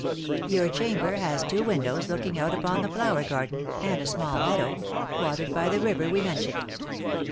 "Your chamber has two windows looking out upon the flower garden, and a small meadow, watered by the river we mentioned.